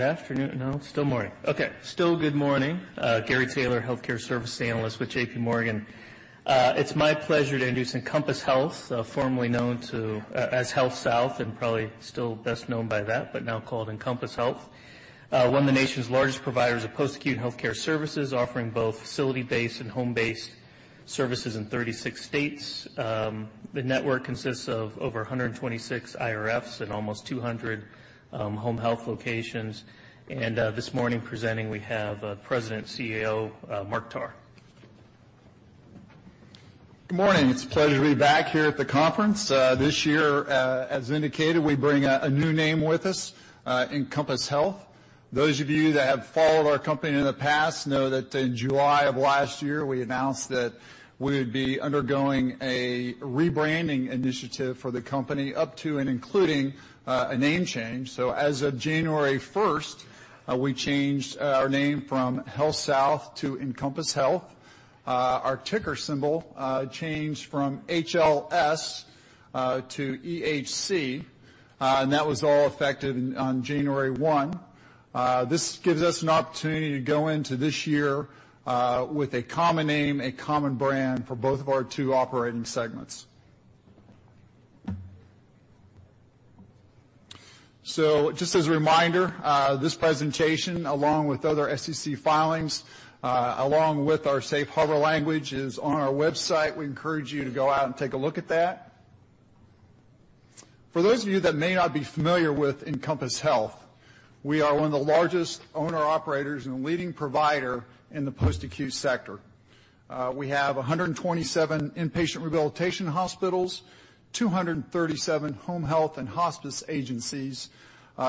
Afternoon? No, still morning. Okay. Still good morning. Gary Taylor, Healthcare Service Analyst with J.P. Morgan. It's my pleasure to introduce Encompass Health, formerly known as HealthSouth, and probably still best known by that, but now called Encompass Health. One of the nation's largest providers of post-acute healthcare services, offering both facility-based and home-based services in 36 states. The network consists of over 126 IRFs and almost 200 home health locations. This morning presenting, we have President, CEO Mark Tarr. Good morning. It's a pleasure to be back here at the conference. This year, as indicated, we bring a new name with us, Encompass Health. Those of you that have followed our company in the past know that in July of last year, we announced that we would be undergoing a rebranding initiative for the company, up to and including a name change. As of January 1st, we changed our name from HealthSouth to Encompass Health. Our ticker symbol changed from HLS to EHC, and that was all effective on January 1. This gives us an opportunity to go into this year with a common name, a common brand for both of our two operating segments. Just as a reminder, this presentation, along with other SEC filings, along with our safe harbor language, is on our website. We encourage you to go out and take a look at that. For those of you that may not be familiar with Encompass Health, we are one of the largest owner/operators and a leading provider in the post-acute sector. We have 127 inpatient rehabilitation hospitals, 237 home health and hospice agencies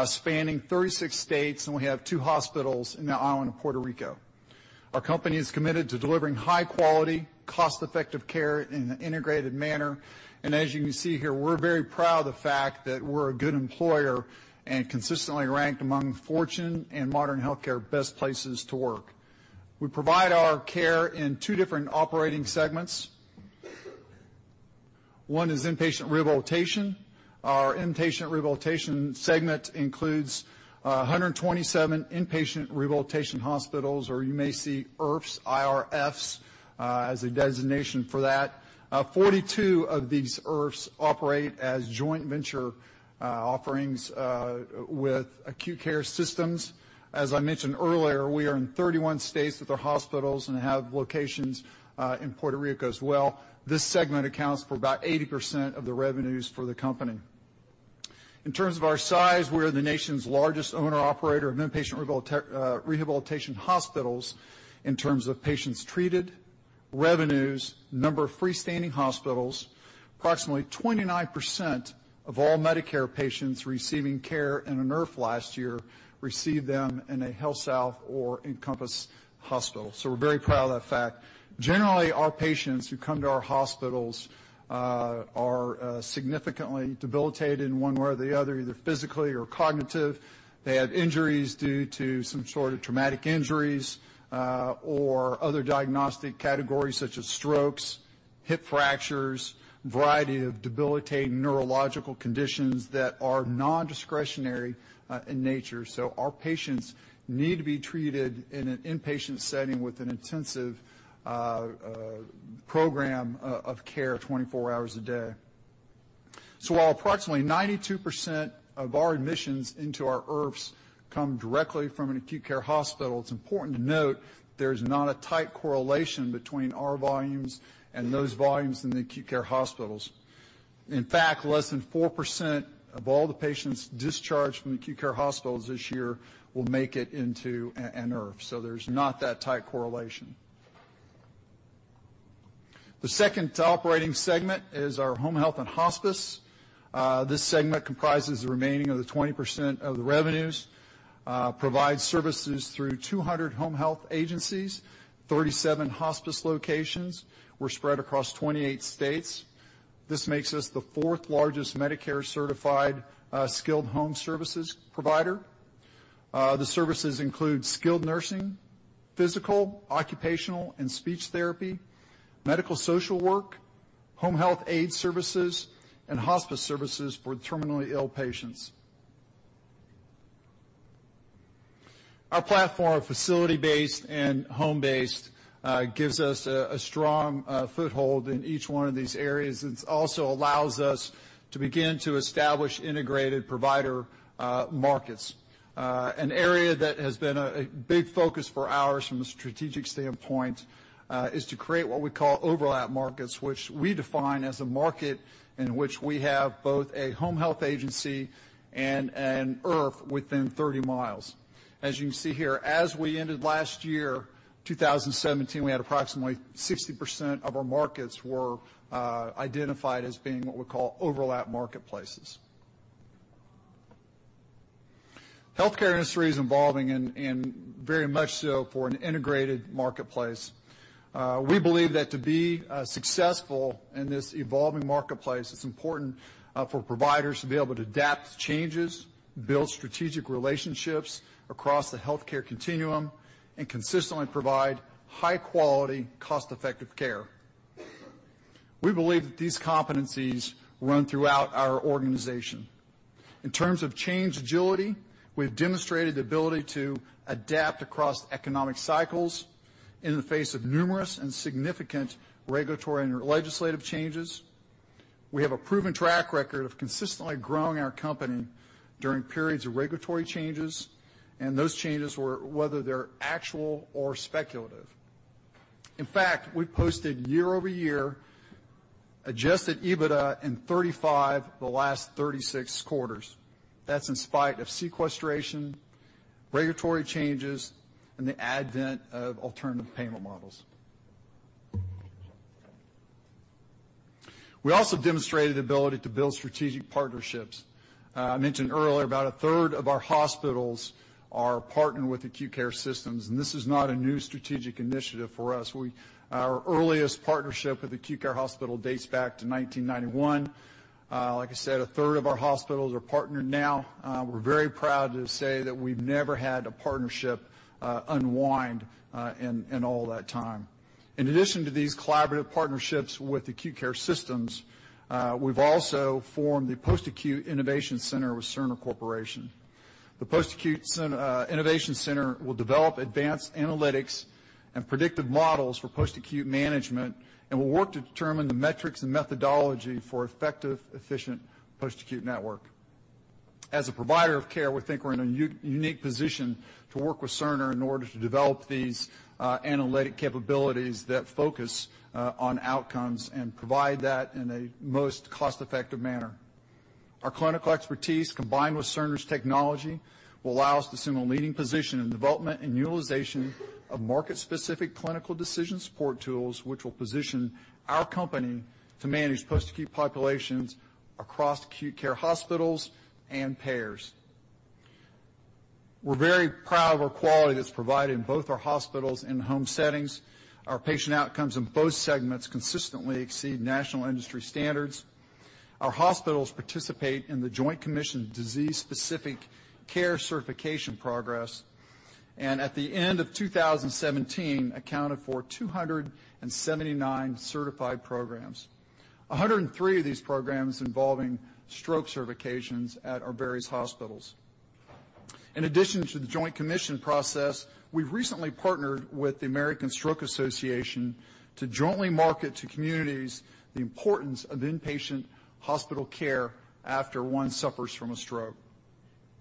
spanning 36 states, and we have two hospitals in the island of Puerto Rico. Our company is committed to delivering high-quality, cost-effective care in an integrated manner. As you can see here, we're very proud of the fact that we're a good employer and consistently ranked among Fortune and Modern Healthcare Best Places to Work. We provide our care in two different operating segments. One is inpatient rehabilitation. Our inpatient rehabilitation segment includes 127 inpatient rehabilitation hospitals, or you may see IRFs, I-R-F-s, as a designation for that. 42 of these IRFs operate as joint venture offerings with acute care systems. As I mentioned earlier, we are in 31 states with our hospitals and have locations in Puerto Rico as well. This segment accounts for about 80% of the revenues for the company. In terms of our size, we are the nation's largest owner/operator of inpatient rehabilitation hospitals in terms of patients treated, revenues, number of freestanding hospitals. Approximately 29% of all Medicare patients receiving care in an IRF last year received them in a HealthSouth or Encompass hospital, so we're very proud of that fact. Generally, our patients who come to our hospitals are significantly debilitated in one way or the other, either physically or cognitive. They have injuries due to some sort of traumatic injuries or other diagnostic categories such as strokes, hip fractures, a variety of debilitating neurological conditions that are non-discretionary in nature. Our patients need to be treated in an inpatient setting with an intensive program of care 24 hours a day. While approximately 92% of our admissions into our IRFs come directly from an acute care hospital, it's important to note there's not a tight correlation between our volumes and those volumes in the acute care hospitals. In fact, less than 4% of all the patients discharged from acute care hospitals this year will make it into an IRF, so there's not that tight correlation. The second top operating segment is our home health and hospice. This segment comprises the remaining of the 20% of the revenues, provides services through 200 home health agencies, 37 hospice locations. We're spread across 28 states. This makes us the fourth-largest Medicare-certified skilled home services provider. The services include skilled nursing, physical, occupational, and speech therapy, medical social work, home health aide services, and hospice services for terminally ill patients. Our platform, facility-based and home-based, gives us a strong foothold in each one of these areas. It also allows us to begin to establish integrated provider markets. An area that has been a big focus for ours from a strategic standpoint is to create what we call overlap markets, which we define as a market in which we have both a home health agency and an IRF within 30 miles. As you can see here, as we ended last year, 2017, we had approximately 60% of our markets were identified as being what we call overlap marketplaces. Healthcare industry is evolving and very much so for an integrated marketplace. We believe that to be successful in this evolving marketplace, it's important for providers to be able to adapt to changes, build strategic relationships across the healthcare continuum, and consistently provide high-quality, cost-effective care. We believe that these competencies run throughout our organization. In terms of change agility, we've demonstrated the ability to adapt across economic cycles in the face of numerous and significant regulatory and legislative changes. We have a proven track record of consistently growing our company during periods of regulatory changes, and those changes were whether they're actual or speculative. In fact, we posted year-over-year adjusted EBITDA in 35 of the last 36 quarters. That's in spite of sequestration, regulatory changes, and the advent of alternative payment models. We also demonstrated the ability to build strategic partnerships. I mentioned earlier, about a third of our hospitals are partnered with acute care systems, this is not a new strategic initiative for us. Our earliest partnership with acute care hospital dates back to 1991. Like I said, a third of our hospitals are partnered now. We're very proud to say that we've never had a partnership unwind in all that time. In addition to these collaborative partnerships with acute care systems, we've also formed the Post-Acute Innovation Center with Cerner Corporation. The Post-Acute Innovation Center will develop advanced analytics and predictive models for post-acute management and will work to determine the metrics and methodology for effective, efficient post-acute network. As a provider of care, we think we're in a unique position to work with Cerner in order to develop these analytic capabilities that focus on outcomes and provide that in a most cost-effective manner. Our clinical expertise, combined with Cerner's technology, will allow us to assume a leading position in the development and utilization of market-specific clinical decision support tools, which will position our company to manage post-acute populations across acute care hospitals and payers. We're very proud of our quality that's provided in both our hospitals and home settings. Our patient outcomes in both segments consistently exceed national industry standards. Our hospitals participate in The Joint Commission disease-specific care certification progress, and at the end of 2017, accounted for 279 certified programs, 103 of these programs involving stroke certifications at our various hospitals. In addition to The Joint Commission process, we've recently partnered with the American Stroke Association to jointly market to communities the importance of inpatient hospital care after one suffers from a stroke.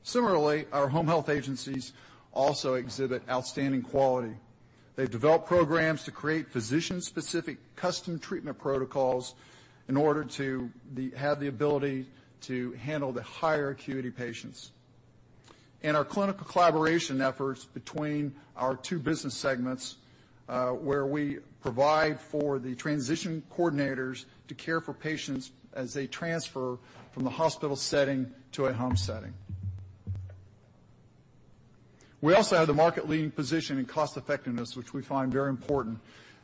Similarly, our home health agencies also exhibit outstanding quality. They've developed programs to create physician-specific custom treatment protocols in order to have the ability to handle the higher acuity patients. Our clinical collaboration efforts between our two business segments, where we provide for the transition coordinators to care for patients as they transfer from the hospital setting to a home setting. We also have the market-leading position in cost-effectiveness, which we find very important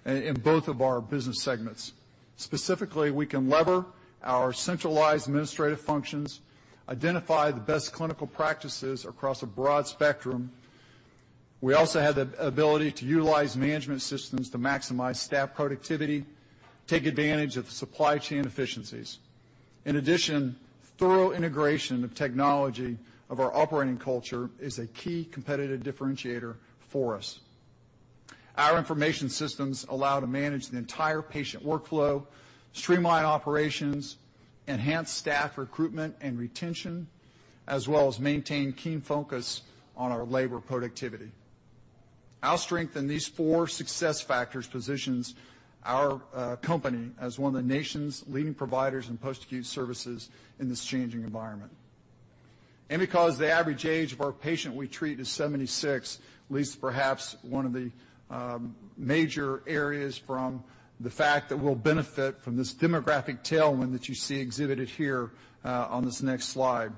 in both of our business segments. Specifically, we can lever our centralized administrative functions, identify the best clinical practices across a broad spectrum. We also have the ability to utilize management systems to maximize staff productivity, take advantage of supply chain efficiencies. In addition, thorough integration of technology of our operating culture is a key competitive differentiator for us. Our information systems allow to manage the entire patient workflow, streamline operations, enhance staff recruitment and retention, as well as maintain keen focus on our labor productivity. Our strength in these four success factors positions our company as one of the nation's leading providers in post-acute services in this changing environment. Because the average age of our patient we treat is 76, leads to perhaps one of the major areas from the fact that we'll benefit from this demographic tailwind that you see exhibited here on this next slide.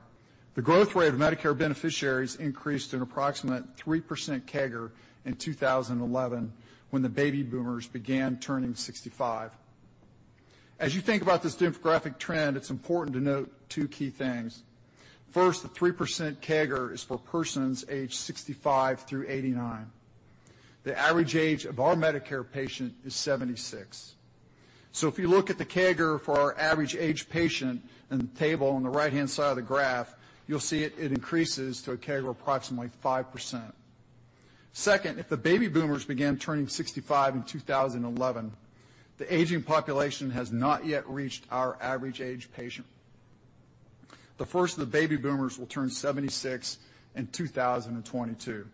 The growth rate of Medicare beneficiaries increased an approximate 3% CAGR in 2011, when the baby boomers began turning 65. As you think about this demographic trend, it's important to note two key things. First, the 3% CAGR is for persons aged 65 through 89. The average age of our Medicare patient is 76. If you look at the CAGR for our average-aged patient in the table on the right-hand side of the graph, you'll see it increases to a CAGR of approximately 5%. Second, if the baby boomers began turning 65 in 2011, the aging population has not yet reached our average-aged patient. The first of the baby boomers will turn 76 in 2022.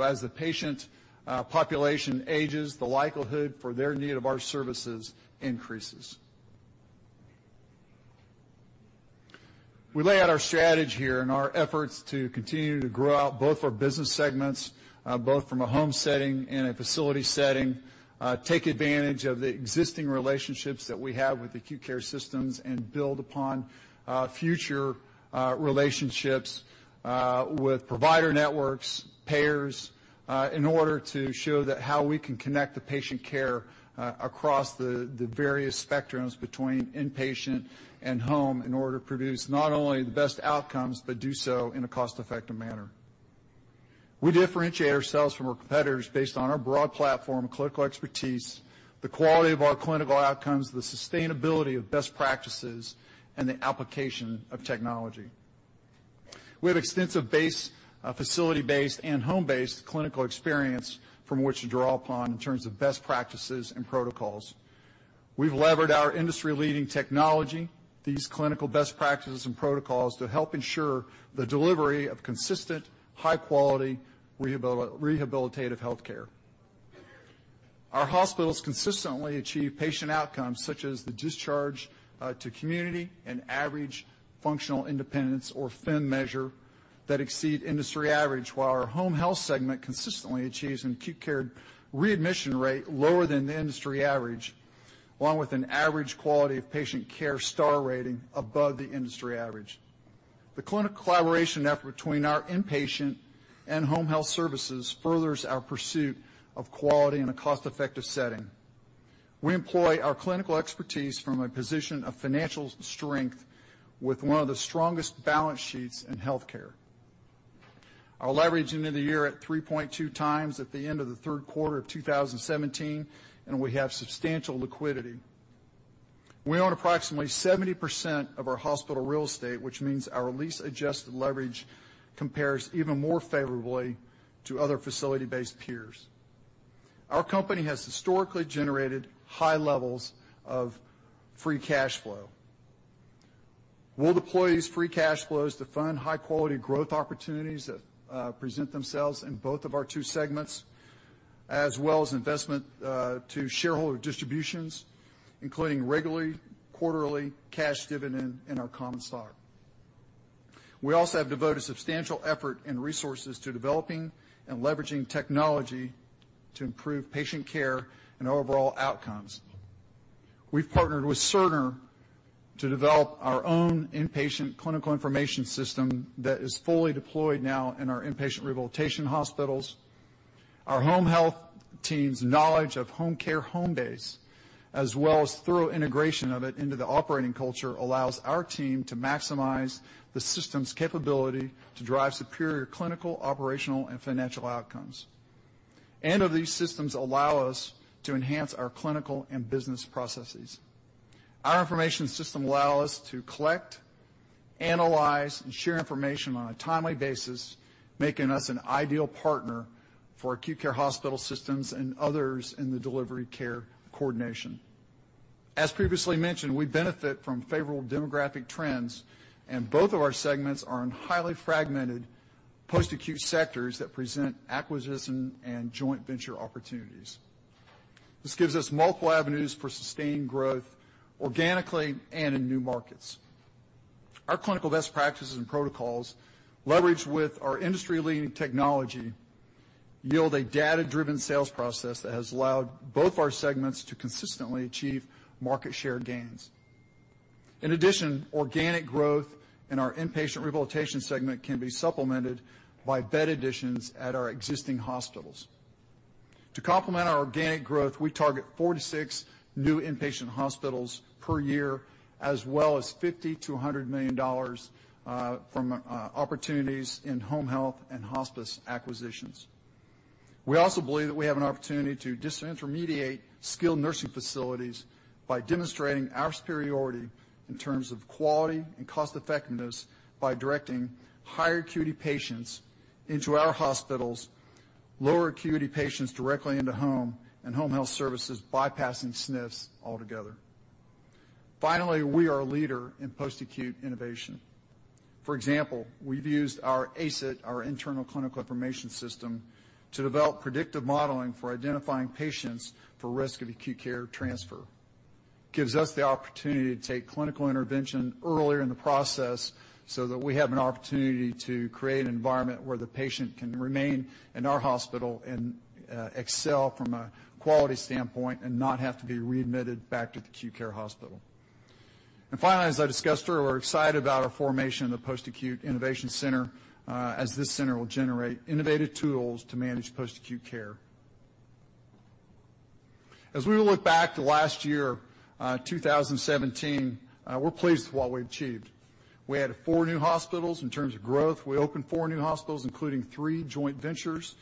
As the patient population ages, the likelihood for their need of our services increases. We lay out our strategy here and our efforts to continue to grow out both our business segments, both from a home setting and a facility setting, take advantage of the existing relationships that we have with acute care systems, and build upon future relationships with provider networks, payers, in order to show how we can connect the patient care across the various spectrums between inpatient and home in order to produce not only the best outcomes, but do so in a cost-effective manner. We differentiate ourselves from our competitors based on our broad platform of clinical expertise, the quality of our clinical outcomes, the sustainability of best practices, and the application of technology. We have extensive base, facility-based and home-based clinical experience from which to draw upon in terms of best practices and protocols. We've levered our industry-leading technology, these clinical best practices and protocols to help ensure the delivery of consistent, high-quality rehabilitative healthcare. Our hospitals consistently achieve patient outcomes such as the discharge to community and average functional independence, or FIM measure, that exceed industry average, while our home health segment consistently achieves an acute care readmission rate lower than the industry average, along with an average quality of patient care star rating above the industry average. The clinical collaboration effort between our inpatient and home health services furthers our pursuit of quality in a cost-effective setting. We employ our clinical expertise from a position of financial strength with one of the strongest balance sheets in healthcare. Our leverage ended the year at 3.2x at the end of the third quarter of 2017, and we have substantial liquidity. We own approximately 70% of our hospital real estate, which means our lease-adjusted leverage compares even more favorably to other facility-based peers. Our company has historically generated high levels of free cash flow. We'll deploy these free cash flows to fund high-quality growth opportunities that present themselves in both of our two segments, as well as investment to shareholder distributions, including regularly quarterly cash dividend in our common stock. We also have devoted substantial effort and resources to developing and leveraging technology to improve patient care and overall outcomes. We've partnered with Cerner to develop our own inpatient clinical information system that is fully deployed now in our inpatient rehabilitation hospitals. Our home health team's knowledge of Homecare Homebase, as well as thorough integration of it into the operating culture, allows our team to maximize the system's capability to drive superior clinical, operational, and financial outcomes. Of these systems allow us to enhance our clinical and business processes. Our information system allow us to collect, analyze, and share information on a timely basis, making us an ideal partner for acute care hospital systems and others in the delivery care coordination. As previously mentioned, we benefit from favorable demographic trends, both of our segments are in highly fragmented post-acute sectors that present acquisition and joint venture opportunities. This gives us multiple avenues for sustained growth, organically and in new markets. Our clinical best practices and protocols leveraged with our industry-leading technology yield a data-driven sales process that has allowed both our segments to consistently achieve market share gains. In addition, organic growth in our inpatient rehabilitation segment can be supplemented by bed additions at our existing hospitals. To complement our organic growth, we target four to six new inpatient hospitals per year, as well as $50 million to $100 million from opportunities in home health and hospice acquisitions. We also believe that we have an opportunity to disintermediate skilled nursing facilities by demonstrating our superiority in terms of quality and cost-effectiveness by directing higher acuity patients into our hospitals, lower acuity patients directly into home and home health services, bypassing SNFs altogether. Finally, we are a leader in post-acute innovation. For example, we've used our ACE-T, our internal clinical information system, to develop predictive modeling for identifying patients for risk of acute care transfer. Gives us the opportunity to take clinical intervention earlier in the process so that we have an opportunity to create an environment where the patient can remain in our hospital and excel from a quality standpoint and not have to be readmitted back to the acute care hospital. Finally, as I discussed earlier, we're excited about our formation of the Post-Acute Innovation Center, as this center will generate innovative tools to manage post-acute care. As we look back to last year, 2017, we're pleased with what we achieved. We added four new hospitals in terms of growth. We opened four new hospitals, including three joint ventures.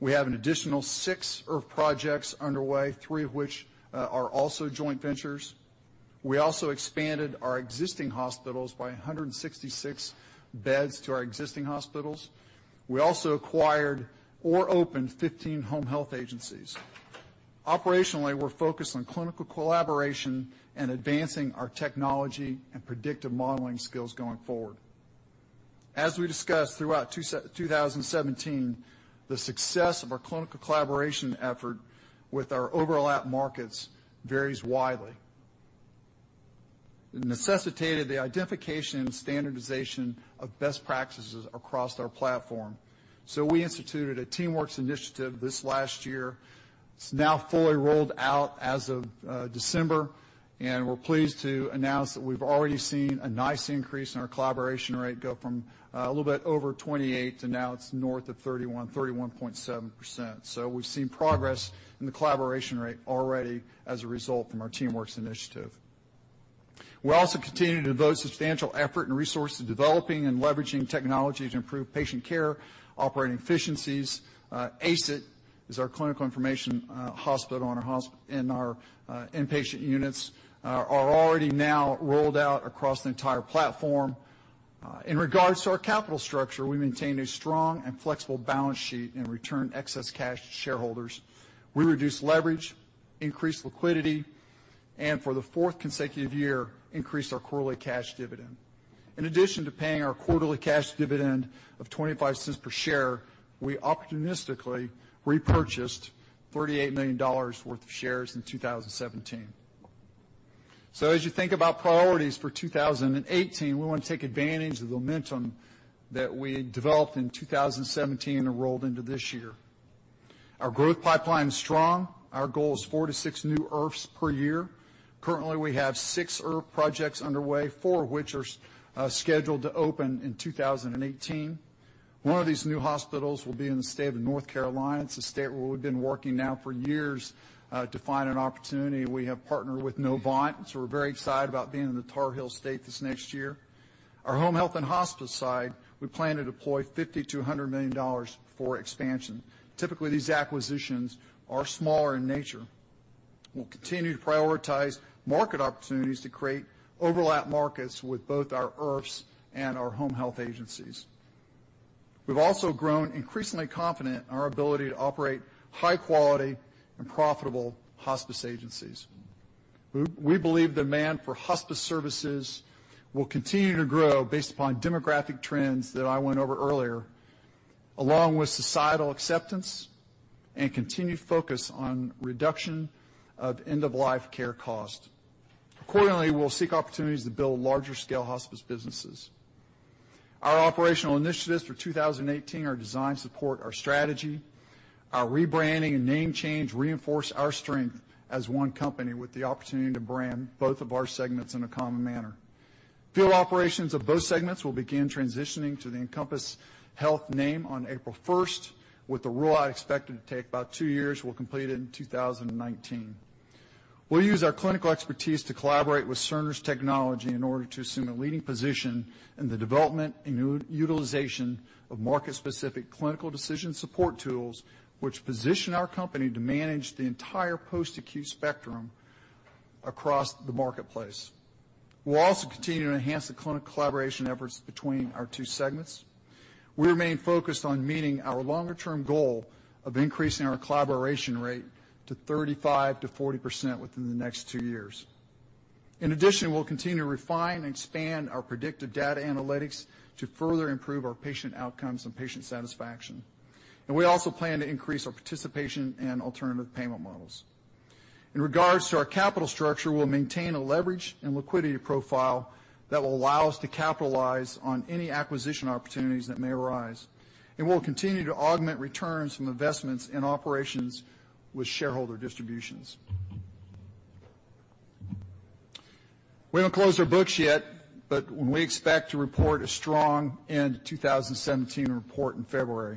We have an additional six IRF projects underway, three of which are also joint ventures. We also expanded our existing hospitals by 166 beds to our existing hospitals. We also acquired or opened 15 home health agencies. Operationally, we're focused on clinical collaboration and advancing our technology and predictive modeling skills going forward. As we discussed throughout 2017, the success of our clinical collaboration effort with our overlap markets varies widely. It necessitated the identification and standardization of best practices across our platform. We instituted a TeamWorks initiative this last year. It's now fully rolled out as of December. We're pleased to announce that we've already seen a nice increase in our collaboration rate go from a little bit over 28 to now it's north of 31.7%. We've seen progress in the collaboration rate already as a result from our TeamWorks initiative. We're also continuing to devote substantial effort and resources to developing and leveraging technology to improve patient care, operating efficiencies. ACIT is our clinical information hospital, and our inpatient units are already now rolled out across the entire platform. In regards to our capital structure, we maintain a strong and flexible balance sheet and return excess cash to shareholders. We reduce leverage, increase liquidity, and for the fourth consecutive year, increased our quarterly cash dividend. In addition to paying our quarterly cash dividend of $0.25 per share, we opportunistically repurchased $38 million worth of shares in 2017. As you think about priorities for 2018, we want to take advantage of the momentum that we developed in 2017 and rolled into this year. Our growth pipeline is strong. Our goal is four to six new IRFs per year. Currently, we have six IRF projects underway, four of which are scheduled to open in 2018. One of these new hospitals will be in the state of North Carolina. It's a state where we've been working now for years to find an opportunity. We have partnered with Novant, we're very excited about being in the Tar Heel State this next year. Our home health and hospice side, we plan to deploy $50 million-$100 million for expansion. Typically, these acquisitions are smaller in nature. We'll continue to prioritize market opportunities to create overlap markets with both our IRFs and our home health agencies. We've also grown increasingly confident in our ability to operate high quality and profitable hospice agencies. We believe demand for hospice services will continue to grow based upon demographic trends that I went over earlier, along with societal acceptance and continued focus on reduction of end-of-life care cost. Accordingly, we'll seek opportunities to build larger scale hospice businesses. Our operational initiatives for 2018 are designed to support our strategy. Our rebranding and name change reinforce our strength as one company with the opportunity to brand both of our segments in a common manner. Field operations of both segments will begin transitioning to the Encompass Health name on April 1st. With the rollout expected to take about two years, we'll complete it in 2019. We'll use our clinical expertise to collaborate with Cerner's technology in order to assume a leading position in the development and utilization of market-specific clinical decision support tools, which position our company to manage the entire post-acute spectrum across the marketplace. We'll also continue to enhance the clinical collaboration efforts between our two segments. We remain focused on meeting our longer-term goal of increasing our collaboration rate to 35%-40% within the next two years. In addition, we'll continue to refine and expand our predictive data analytics to further improve our patient outcomes and patient satisfaction. We also plan to increase our participation in alternative payment models. In regards to our capital structure, we'll maintain a leverage and liquidity profile that will allow us to capitalize on any acquisition opportunities that may arise, we'll continue to augment returns from investments in operations with shareholder distributions. We haven't closed our books yet, we expect to report a strong end to 2017 report in February.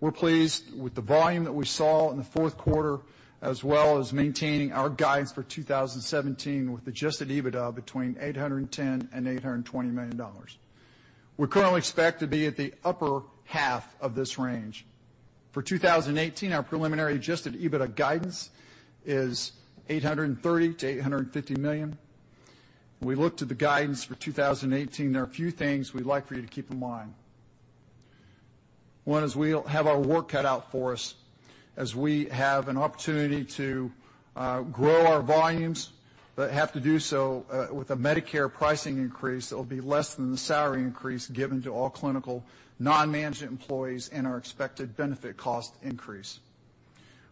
We're pleased with the volume that we saw in the fourth quarter, as well as maintaining our guidance for 2017 with adjusted EBITDA between $810 million-$820 million. We currently expect to be at the upper half of this range. For 2018, our preliminary adjusted EBITDA guidance is $830 million-$850 million. When we look to the guidance for 2018, there are a few things we'd like for you to keep in mind. One is we have our work cut out for us as we have an opportunity to grow our volumes, have to do so with a Medicare pricing increase that will be less than the salary increase given to all clinical non-management employees and our expected benefit cost increase.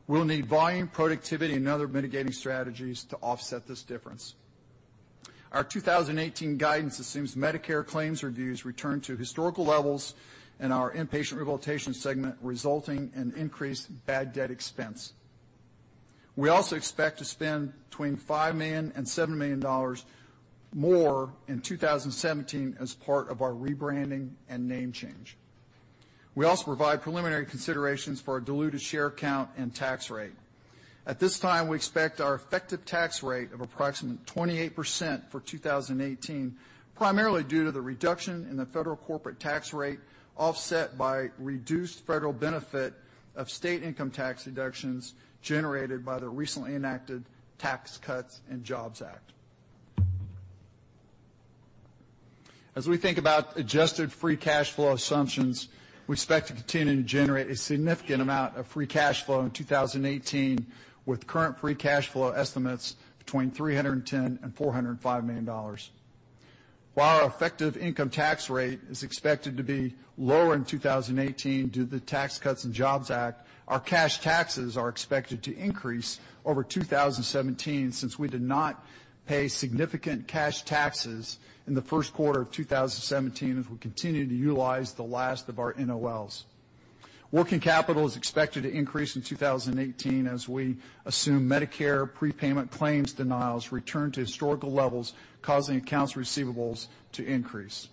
We'll need volume, productivity, and other mitigating strategies to offset this difference. Our 2018 guidance assumes Medicare claims reviews return to historical levels in our inpatient rehabilitation segment, resulting in increased bad debt expense. We also expect to spend between $5 million-$7 million more in 2017 as part of our rebranding and name change. We also provide preliminary considerations for our diluted share count and tax rate. At this time, we expect our effective tax rate of approximately 28% for 2018, primarily due to the reduction in the federal corporate tax rate, offset by reduced federal benefit of state income tax deductions generated by the recently enacted Tax Cuts and Jobs Act. As we think about adjusted free cash flow assumptions, we expect to continue to generate a significant amount of free cash flow in 2018, with current free cash flow estimates between $310 million and $405 million. While our effective income tax rate is expected to be lower in 2018 due to the Tax Cuts and Jobs Act, our cash taxes are expected to increase over 2017, since we did not pay significant cash taxes in the first quarter of 2017, as we continue to utilize the last of our NOLs. Working capital is expected to increase in 2018 as we assume Medicare prepayment claims denials return to historical levels, causing accounts receivables to increase.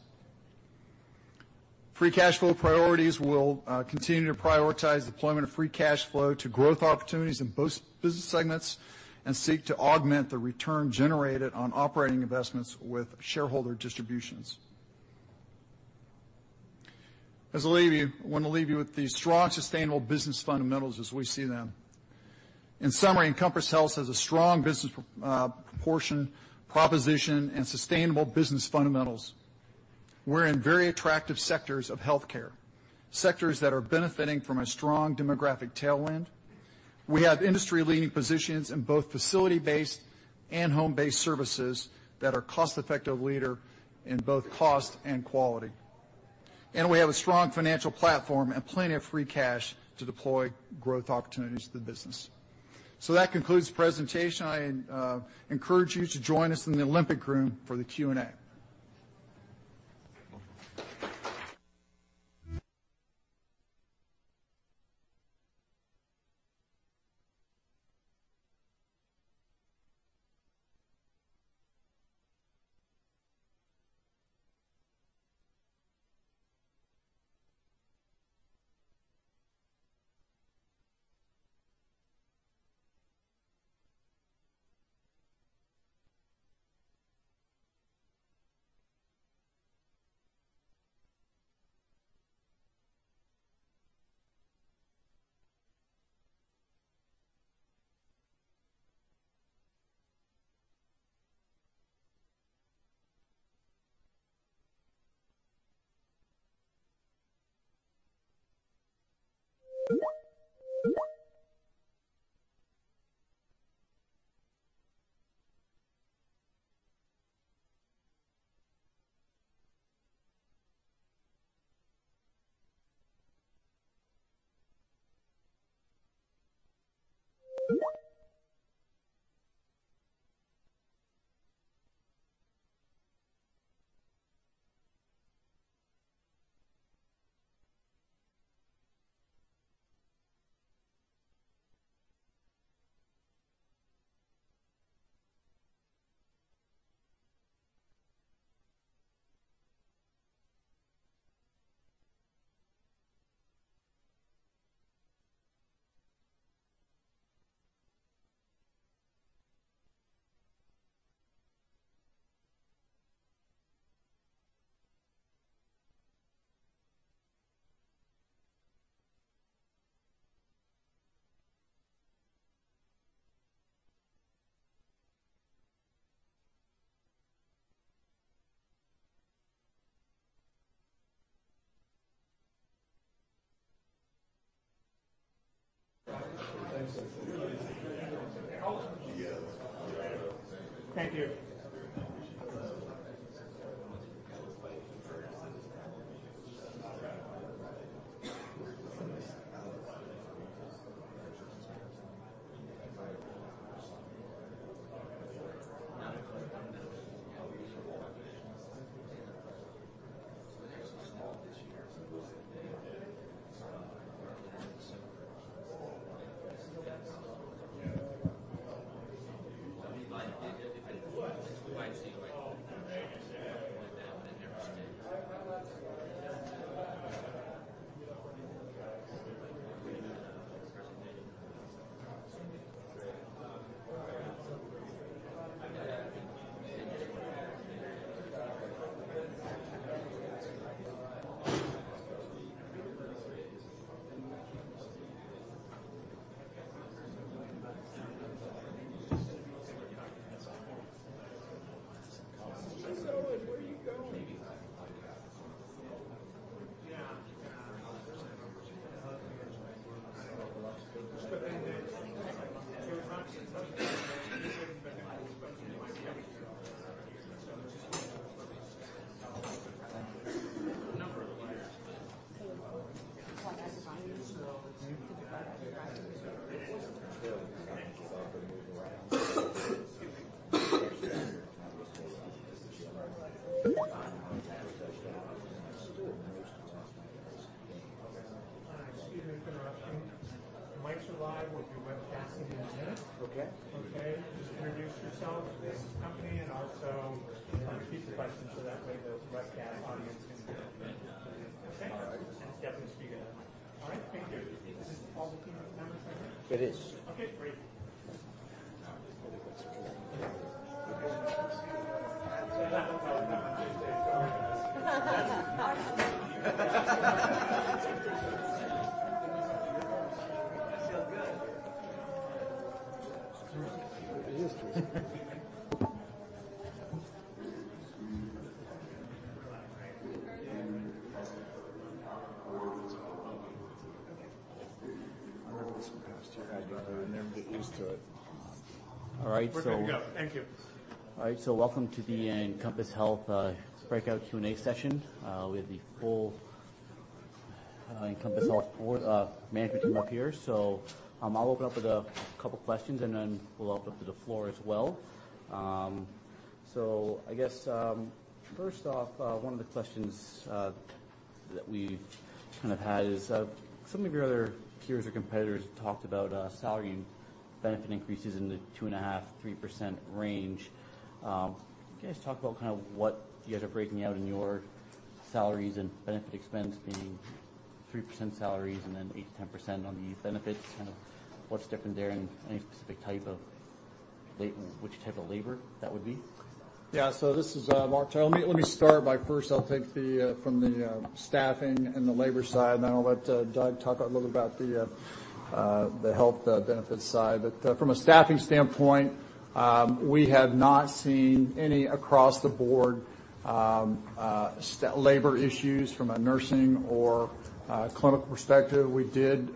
Free cash flow priorities will continue to prioritize deployment of free cash flow to growth opportunities in both business segments and seek to augment the return generated on operating investments with shareholder distributions. As I leave you, I want to leave you with the strong, sustainable business fundamentals as we see them. In summary, Encompass Health has a strong business proportion, proposition, and sustainable business fundamentals. We're in very attractive sectors of healthcare, sectors that are benefiting from a strong demographic tailwind. We have industry-leading positions in both facility-based and home-based services that are cost-effective leader in both cost and quality. We have a strong financial platform and plenty of free cash to deploy growth opportunities to the business. That concludes the presentation. I encourage you to join us in the Olympic room for the Q&A. Thank you. Excuse the interruption. Mics are live. We'll be webcasting in a minute. Okay. Okay. Just introduce yourselves, business, company, and also repeat the question, so that way the webcast audience can hear. Okay? All right. It's definitely speed up. All right, thank you. Is this all the team members right here? It is. Okay, great. I feel good. All right. We're good to go. Thank you. All right, welcome to the Encompass Health breakout Q&A session. We have the full Encompass Health management team up here. I'll open up with a couple of questions, and then we'll open up to the floor as well. I guess, first off, one of the questions that we've- Some of your other peers or competitors have talked about salary and benefit increases in the 2.5%-3% range. Can you guys talk about what you guys are breaking out in your salaries and benefit expense being 3% salaries and then 8%-10% on the benefits? What's different there and any specific type of labor that would be? Yeah. This is Mark. Let me start by first, I'll take from the staffing and the labor side, and then I'll let Doug talk a little about the health benefits side. From a staffing standpoint, we have not seen any across-the-board labor issues from a nursing or clinical perspective. We did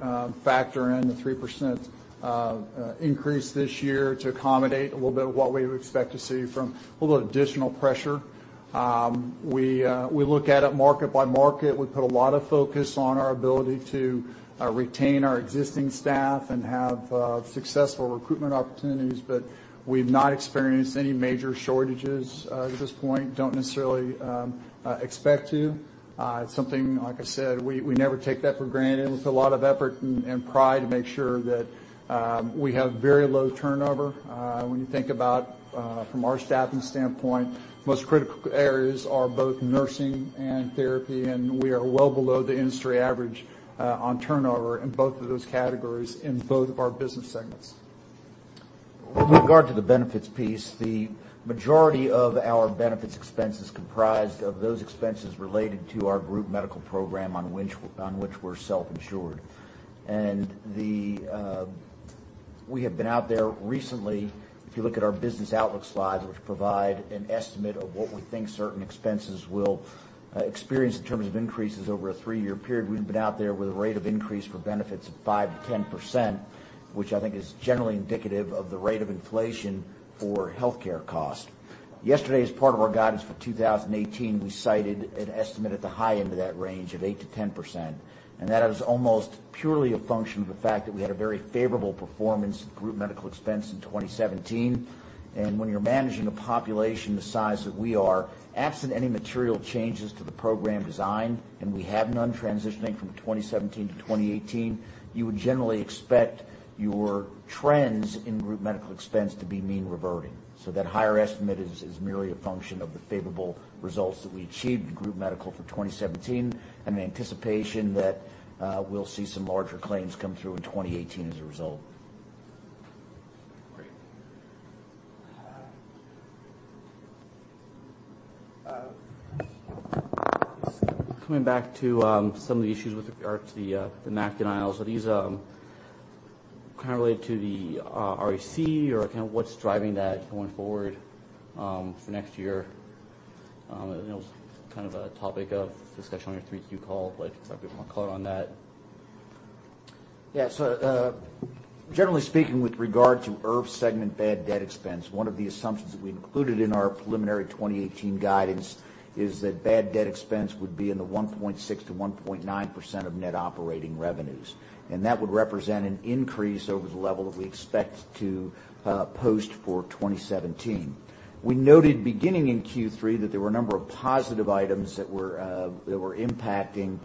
factor in the 3% increase this year to accommodate a little bit of what we would expect to see from a little additional pressure. We look at it market by market. We put a lot of focus on our ability to retain our existing staff and have successful recruitment opportunities, but we've not experienced any major shortages at this point, don't necessarily expect to. It's something, like I said, we never take that for granted. We put a lot of effort and pride to make sure that we have very low turnover. When you think about from our staffing standpoint, the most critical areas are both nursing and therapy, and we are well below the industry average on turnover in both of those categories in both of our business segments. With regard to the benefits piece, the majority of our benefits expense is comprised of those expenses related to our group medical program on which we're self-insured. We have been out there recently, if you look at our business outlook slides, which provide an estimate of what we think certain expenses will experience in terms of increases over a three-year period, we've been out there with a rate of increase for benefits of 5%-10%, which I think is generally indicative of the rate of inflation for healthcare cost. Yesterday, as part of our guidance for 2018, we cited an estimate at the high end of that range of 8%-10%, and that is almost purely a function of the fact that we had a very favorable performance group medical expense in 2017. When you're managing a population the size that we are, absent any material changes to the program design, and we have none transitioning from 2017 to 2018, you would generally expect your trends in group medical expense to be mean reverting. That higher estimate is merely a function of the favorable results that we achieved in group medical for 2017, and the anticipation that we'll see some larger claims come through in 2018 as a result. Great. Coming back to some of the issues with regard to the MAC denials. Are these kind of related to the RAC or kind of what's driving that going forward for next year? I know it was kind of a topic of discussion on your 3Q call, if you could provide more color on that. Generally speaking with regard to IRF segment bad debt expense, one of the assumptions that we included in our preliminary 2018 guidance is that bad debt expense would be in the 1.6%-1.9% of net operating revenues, and that would represent an increase over the level that we expect to post for 2017. We noted beginning in Q3 that there were a number of positive items that were impacting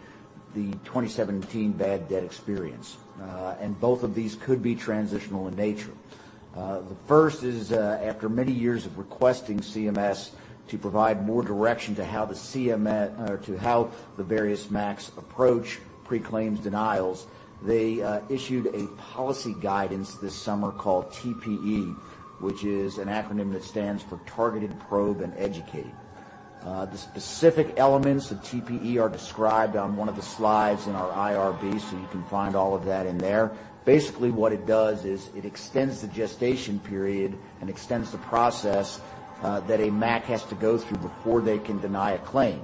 the 2017 bad debt experience. Both of these could be transitional in nature. The first is, after many years of requesting CMS to provide more direction to how the various MACs approach pre-claims denials, they issued a policy guidance this summer called TPE, which is an acronym that stands for Targeted Probe and Educate. The specific elements of TPE are described on one of the slides in our IRB, you can find all of that in there. Basically, what it does is it extends the gestation period and extends the process that a MAC has to go through before they can deny a claim.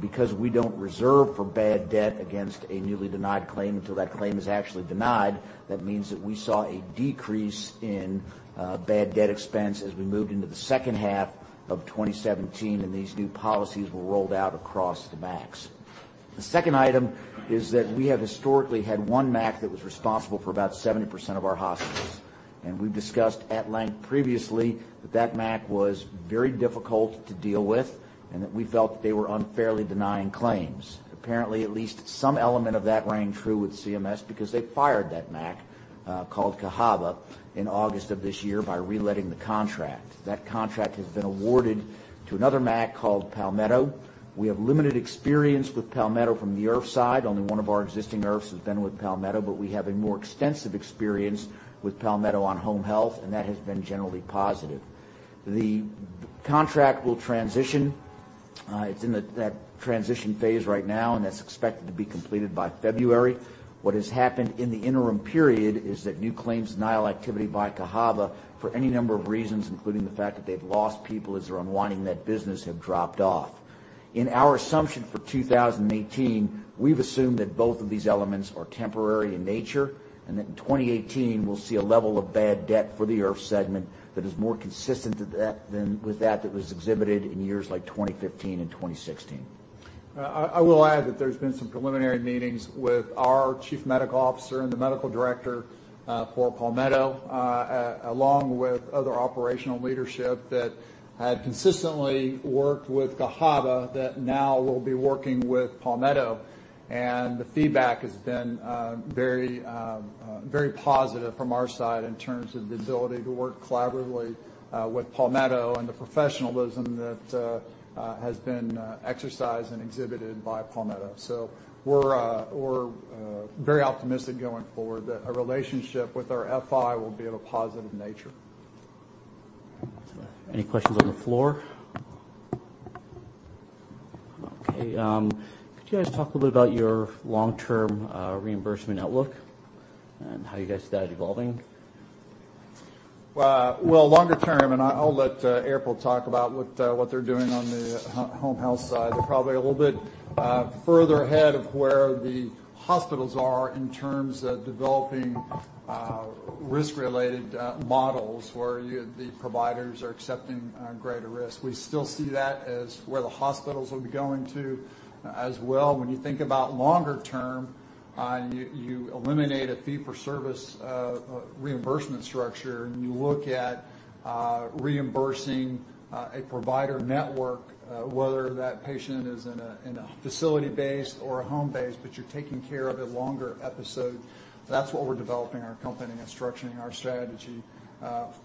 Because we don't reserve for bad debt against a newly denied claim until that claim is actually denied, that means that we saw a decrease in bad debt expense as we moved into the second half of 2017, and these new policies were rolled out across the MACs. The second item is that we have historically had 1 MAC that was responsible for about 70% of our hospitals, we've discussed at length previously that that MAC was very difficult to deal with and that we felt that they were unfairly denying claims. Apparently, at least some element of that rang true with CMS because they fired that MAC, called Cahaba, in August of this year by reletting the contract. That contract has been awarded to another MAC called Palmetto. We have limited experience with Palmetto from the IRF side. Only one of our existing IRFs has been with Palmetto, but we have a more extensive experience with Palmetto on home health, and that has been generally positive. The contract will transition. It's in that transition phase right now, and that's expected to be completed by February. What has happened in the interim period is that new claims denial activity by Cahaba, for any number of reasons, including the fact that they've lost people as they're unwinding that business, have dropped off. In our assumption for 2018, we've assumed that both of these elements are temporary in nature, that in 2018, we'll see a level of bad debt for the IRF segment that is more consistent with that was exhibited in years like 2015 and 2016. I will add that there's been some preliminary meetings with our chief medical officer and the medical director for Palmetto, along with other operational leadership that had consistently worked with Cahaba that now will be working with Palmetto. The feedback has been very positive from our side in terms of the ability to work collaboratively with Palmetto and the professionalism that has been exercised and exhibited by Palmetto. We're very optimistic going forward that a relationship with our FI will be of a positive nature. Any questions on the floor? Okay. Could you guys talk a little bit about your long-term reimbursement outlook and how you guys see that evolving? Longer term, I'll let April talk about what they're doing on the home health side. They're probably a little bit further ahead of where the hospitals are in terms of developing risk-related models where the providers are accepting greater risk. We still see that as where the hospitals will be going too as well. When you think about longer term, you eliminate a fee-for-service reimbursement structure, you look at reimbursing a provider network, whether that patient is in a facility base or a home base, but you're taking care of a longer episode. That's what we're developing our company and structuring our strategy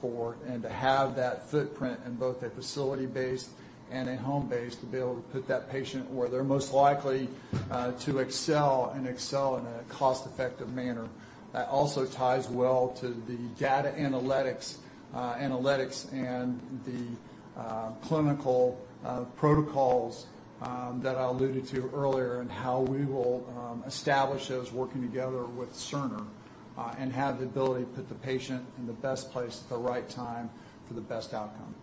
for, to have that footprint in both a facility base and a home base to be able to put that patient where they're most likely to excel and excel in a cost-effective manner. That also ties well to the data analytics and the clinical protocols that I alluded to earlier and how we will establish those working together with Cerner and have the ability to put the patient in the best place at the right time for the best outcome.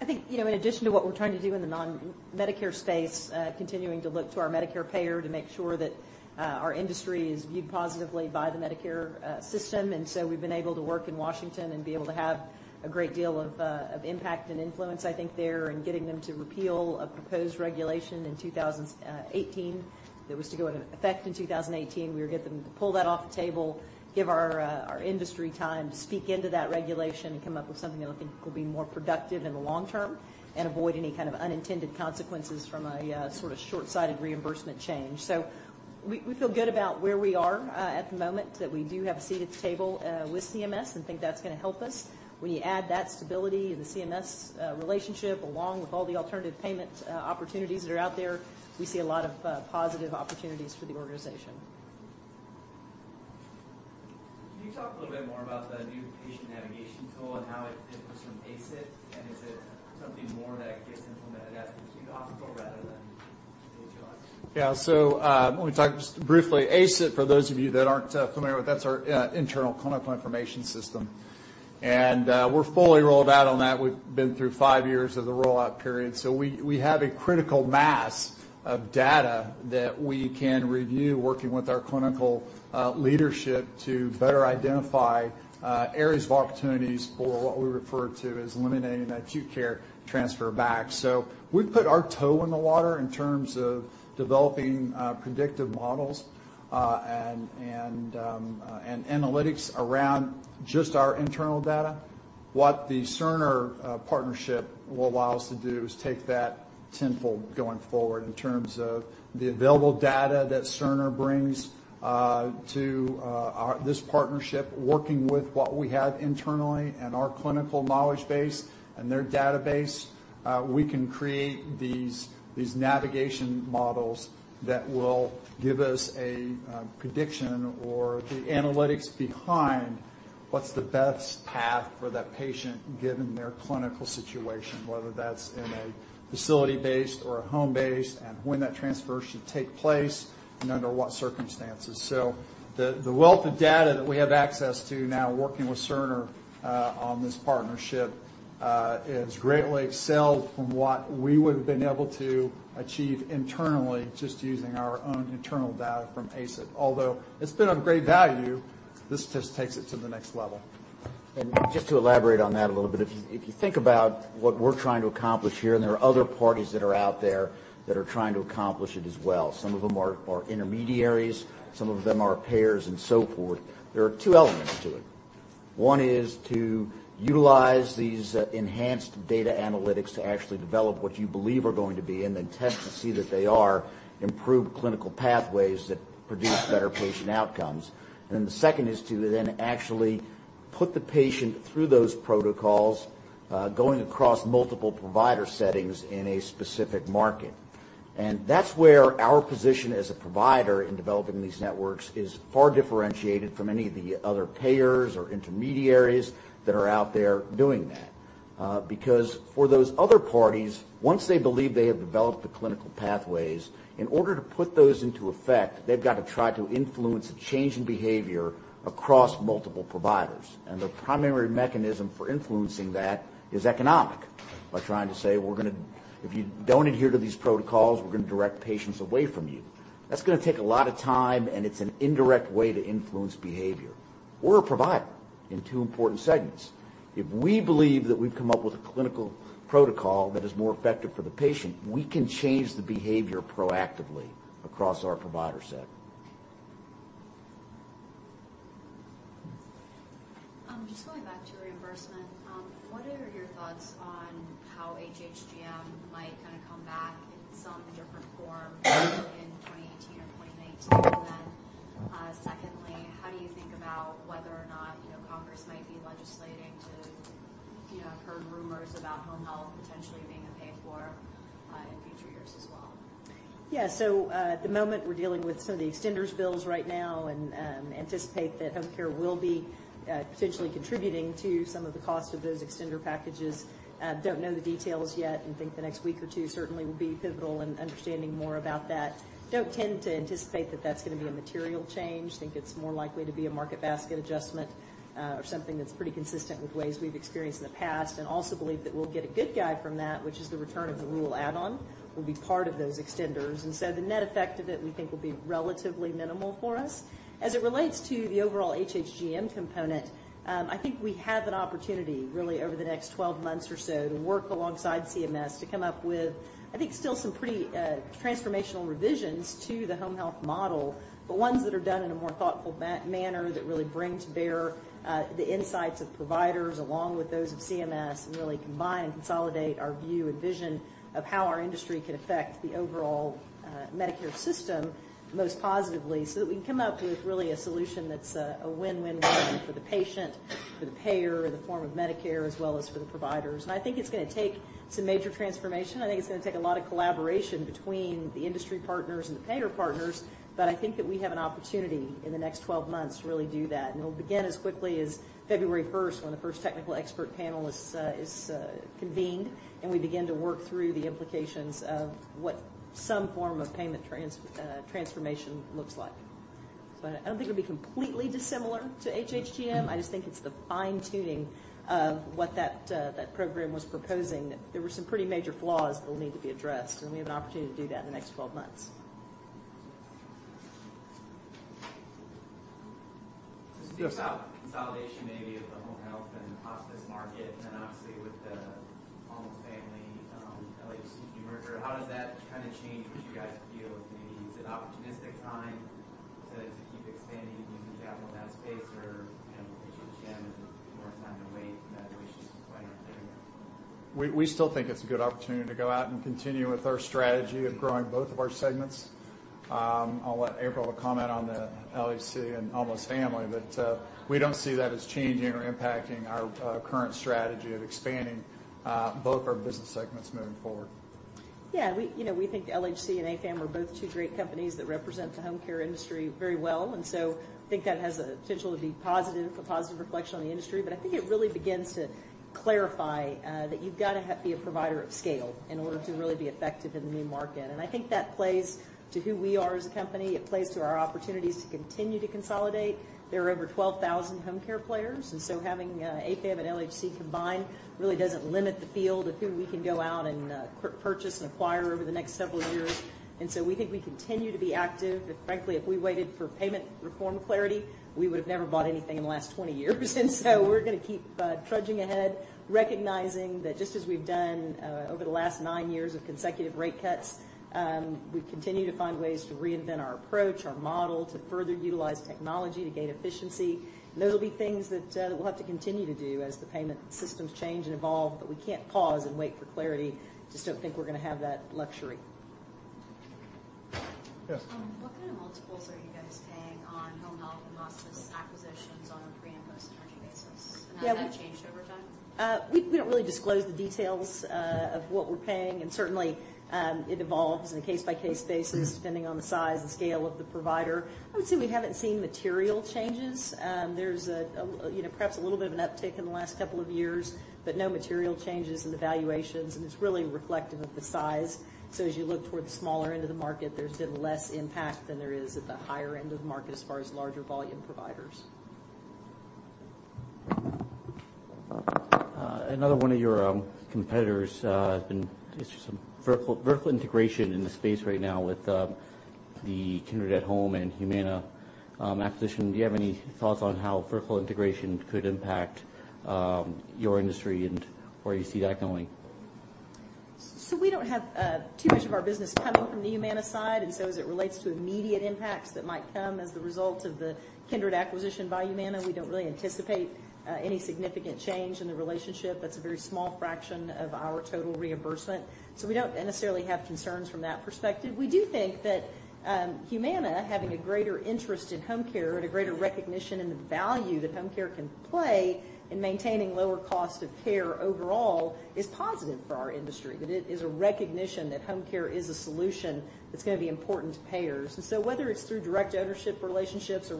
I think, in addition to what we're trying to do in the non-Medicare space, continuing to look to our Medicare payer to make sure that our industry is viewed positively by the Medicare system. We've been able to work in Washington and be able to have a great deal of impact and influence, I think, there, and getting them to repeal a proposed regulation in 2018 that was to go into effect in 2018. We were able to get them to pull that off the table, give our industry time to speak into that regulation, and come up with something that I think will be more productive in the long term and avoid any kind of unintended consequences from a sort of short-sighted reimbursement change. We feel good about where we are at the moment, that we do have a seat at the table with CMS and think that's going to help us. When you add that stability and the CMS relationship, along with all the alternative payment opportunities that are out there, we see a lot of positive opportunities for the organization. Can you talk a little bit more about the new patient navigation tool and how it differs from ACE-IT? Is it something more that gets implemented at the acute hospital rather than the IRFs? Yeah. Let me talk just briefly. ACE-IT, for those of you that aren't familiar with, that's our internal clinical information system. We're fully rolled out on that. We've been through five years of the rollout period. We have a critical mass of data that we can review, working with our clinical leadership to better identify areas of opportunities for what we refer to as eliminating the acute care transfer back. We've put our toe in the water in terms of developing predictive models and analytics around just our internal data. What the Cerner partnership will allow us to do is take that tenfold going forward in terms of the available data that Cerner brings to this partnership, working with what we have internally and our clinical knowledge base and their database. We can create these navigation models that will give us a prediction or the analytics behind what's the best path for that patient, given their clinical situation, whether that's in a facility base or a home base, and when that transfer should take place and under what circumstances. The wealth of data that we have access to now working with Cerner on this partnership has greatly excelled from what we would've been able to achieve internally just using our own internal data from ACE-IT. Although it's been of great value, this just takes it to the next level. Just to elaborate on that a little bit, if you think about what we're trying to accomplish here, there are other parties that are out there that are trying to accomplish it as well. Some of them are intermediaries, some of them are payers, and so forth. There are two elements to it. One is to utilize these enhanced data analytics to actually develop what you believe are going to be, then test to see that they are improved clinical pathways that produce better patient outcomes. Then the second is to then actually put the patient through those protocols, going across multiple provider settings in a specific market. That's where our position as a provider in developing these networks is far differentiated from any of the other payers or intermediaries that are out there doing that. Because for those other parties, once they believe they have developed the clinical pathways, in order to put those into effect, they've got to try to influence a change in behavior across multiple providers. The primary mechanism for influencing that is economic, by trying to say, "If you don't adhere to these protocols, we're going to direct patients away from you." That's going to take a lot of time, and it's an indirect way to influence behavior. We're a provider in two important segments. If we believe that we've come up with a clinical protocol that is more effective for the patient, we can change the behavior proactively across our provider set. Just going back to reimbursement, what are your thoughts on how HHGM might come back in some different form in 2018 or 2019? Secondly, how do you think about whether or not Congress might be legislating? I've heard rumors about home health potentially being a pay for in future years as well. Yeah. At the moment, we're dealing with some of the extenders bills right now, and anticipate that home care will be potentially contributing to some of the cost of those extender packages. Don't know the details yet, and think the next week or two certainly will be pivotal in understanding more about that. Don't tend to anticipate that that's going to be a material change. Think it's more likely to be a market basket adjustment, or something that's pretty consistent with ways we've experienced in the past, and also believe that we'll get a good guy from that, which is the return of the rural add-on, will be part of those extenders. The net effect of it, we think, will be relatively minimal for us. As it relates to the overall HHGM component, I think we have an opportunity, really over the next 12 months or so, to work alongside CMS to come up with, I think, still some pretty transformational revisions to the home health model. Ones that are done in a more thoughtful manner that really brings bear the insights of providers, along with those of CMS, and really combine and consolidate our view and vision of how our industry can affect the overall Medicare system most positively, so that we can come up with really a solution that's a win-win-win for the patient, for the payer in the form of Medicare, as well as for the providers. I think it's going to take some major transformation. I think it's going to take a lot of collaboration between the industry partners and the payer partners. I think that we have an opportunity in the next 12 months to really do that, and it'll begin as quickly as February 1st, when the first technical expert panel is convened, and we begin to work through the implications of what some form of payment transformation looks like. I don't think it'll be completely dissimilar to HHGM. I just think it's the fine-tuning of what that program was proposing. There were some pretty major flaws that'll need to be addressed, and we have an opportunity to do that in the next 12 months. Yes. Just think about consolidation, maybe of the home health and hospice market, and then obviously with the Almost Family, LHC merger. How does that change what you guys feel? Maybe is it opportunistic time to keep expanding and using capital in that space, or with HHGM, is it more time to wait, and that risk is just plain not there yet? We still think it's a good opportunity to go out and continue with our strategy of growing both of our segments. I'll let April comment on the LHC and Almost Family. We don't see that as changing or impacting our current strategy of expanding both our business segments moving forward. Yeah, we think LHC and AFAM are both two great companies that represent the home care industry very well. I think that has a potential to be positive, for positive reflection on the industry. I think it really begins to clarify that you've got to be a provider of scale in order to really be effective in the new market. I think that plays to who we are as a company. It plays to our opportunities to continue to consolidate. There are over 12,000 home care players, having AFAM and LHC combine really doesn't limit the field of who we can go out and purchase and acquire over the next several years. We think we continue to be active. Frankly, if we waited for payment reform clarity, we would've never bought anything in the last 20 years. We're going to keep trudging ahead, recognizing that just as we've done over the last nine years of consecutive rate cuts, we continue to find ways to reinvent our approach, our model, to further utilize technology to gain efficiency. Those will be things that we'll have to continue to do as the payment systems change and evolve, we can't pause and wait for clarity. Just don't think we're going to have that luxury. Yes. What kind of multiples are you guys paying on home health and hospice acquisitions on a pre and post-merger basis? Has that changed over time? We don't really disclose the details of what we're paying, certainly, it evolves on a case-by-case basis, depending on the size and scale of the provider. I would say we haven't seen material changes. There's perhaps a little bit of an uptick in the last couple of years, no material changes in the valuations, it's really reflective of the size. As you look toward the smaller end of the market, there's been less impact than there is at the higher end of the market as far as larger volume providers. Another one of your competitors has been, there's some vertical integration in the space right now with the Kindred at Home and Humana acquisition. Do you have any thoughts on how vertical integration could impact your industry and where you see that going? We don't have too much of our business coming from the Humana side, as it relates to immediate impacts that might come as the result of the Kindred acquisition by Humana, we don't really anticipate any significant change in the relationship. That's a very small fraction of our total reimbursement. We don't necessarily have concerns from that perspective. We do think that Humana having a greater interest in home care and a greater recognition in the value that home care can play in maintaining lower cost of care overall is positive for our industry, that it is a recognition that home care is a solution that's going to be important to payers. Whether it's through direct ownership relationships or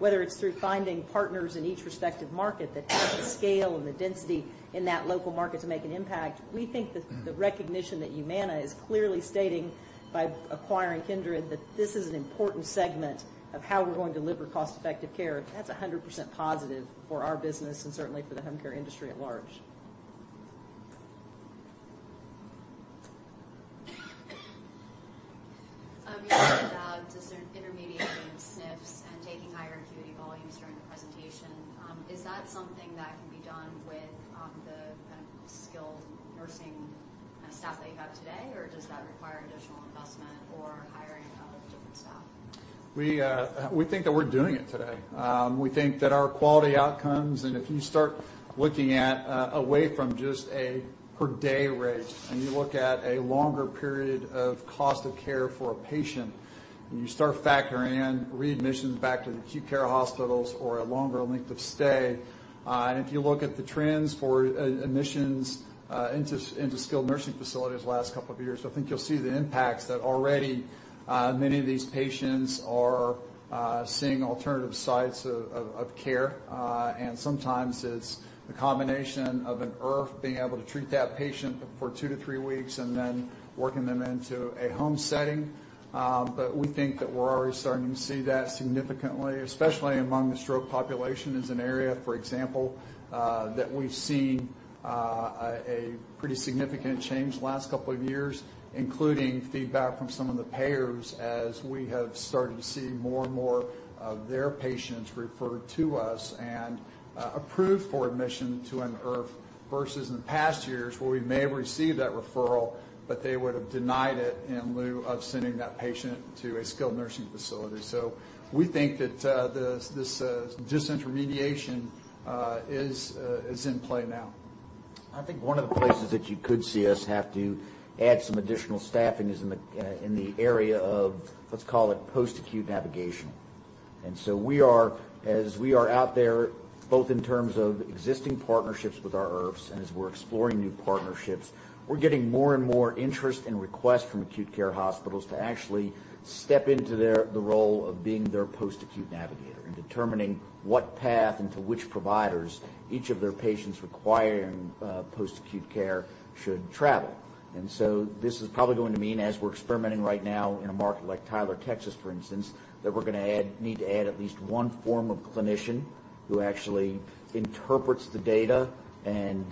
whether it's through finding partners in each respective market that have the scale and the density in that local market to make an impact, we think that the recognition that Humana is clearly stating by acquiring Kindred that this is an important segment of how we're going to deliver cost-effective care. That's 100% positive for our business and certainly for the home care industry at large. You mentioned disintermediating SNFs and taking higher acuity volumes during the presentation. Is that something that can be done with the kind of skilled nursing staff that you have today, or does that require additional investment or hiring of different staff? We think that we're doing it today. We think that our quality outcomes, if you start looking at away from just a per-day rate, you look at a longer period of cost of care for a patient, you start factoring in readmissions back to the acute care hospitals or a longer length of stay. If you look at the trends for admissions into skilled nursing facilities the last couple of years, I think you'll see the impacts that already many of these patients are seeing alternative sites of care. Sometimes it's the combination of an IRF being able to treat that patient for two to three weeks and then working them into a home setting. We think that we're already starting to see that significantly, especially among the stroke population is an area, for example, that we've seen a pretty significant change the last couple of years, including feedback from some of the payers as we have started to see more and more of their patients referred to us and approved for admission to an IRF. Versus in past years where we may have received that referral, they would have denied it in lieu of sending that patient to a skilled nursing facility. We think that this disintermediation is in play now. I think one of the places that you could see us have to add some additional staffing is in the area of, let's call it post-acute navigation. As we are out there, both in terms of existing partnerships with our IRFs and as we're exploring new partnerships, we're getting more and more interest and requests from acute care hospitals to actually step into the role of being their post-acute navigator and determining what path and to which providers each of their patients requiring post-acute care should travel. This is probably going to mean, as we're experimenting right now in a market like Tyler, Texas, for instance, that we're going to need to add at least one form of clinician who actually interprets the data and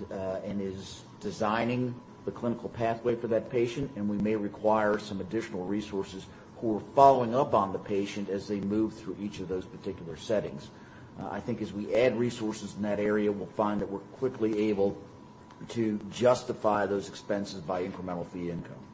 is designing the clinical pathway for that patient. We may require some additional resources who are following up on the patient as they move through each of those particular settings. I think as we add resources in that area, we'll find that we're quickly able to justify those expenses by incremental fee income.